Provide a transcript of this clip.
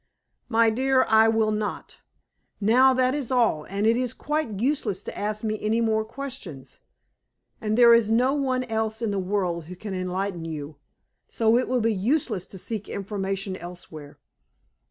"My dear, I will not. Now, that is all, and it is quite useless to ask me any more questions. And there is no one else in the world who can enlighten you; so it will be useless to seek information elsewhere.